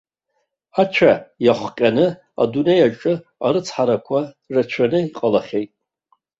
Ацәа иахҟьаны адунеи аҿы арыцҳарақәа рацәаны иҟалахьеит.